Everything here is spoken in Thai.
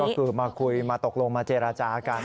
ก็คือมาคุยมาตกลงมาเจรจากัน